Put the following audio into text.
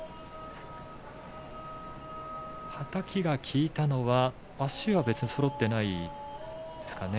はたきが効いたのは足は別にそろっていないですかね。